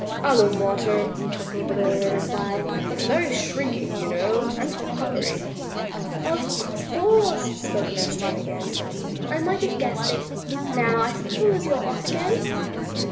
"Alum water," Uncle Wiggily made reply. "That's very shrinking, you know, and puckery." "Of course," spoke Nurse Jane again, "I might have guessed it. Now I suppose you're off again?"